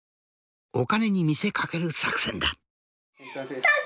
お金に見せかける作戦だ。